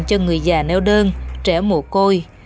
cho người già neo đơn trẻ mồ côi